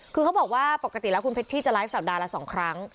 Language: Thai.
คือเขาบอกว่าปกติแล้วคุณเพชรชี่จะไลฟ์สัปดาห์ละ๒ครั้ง